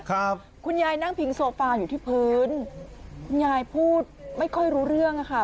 คุณยายนั่งพิงโซฟาอยู่ที่พื้นคุณยายพูดไม่ค่อยรู้เรื่องอ่ะค่ะ